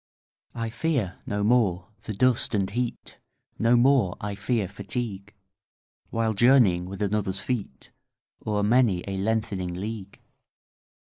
I fear no more the dust and heat, 25 No more I fear fatigue, While journeying with another's feet O'er many a lengthening league.